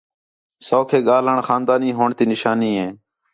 سوکھے ڳاھلݨ خاندانی ہوݨ تی نشانی ہے